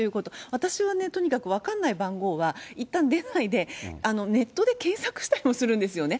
私はとにかく分かんない番号は、いったん、出ないでネットで検索したりもするんですよね。